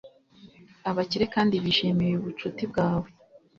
abakire kandi bishimiye ubucuti bwawe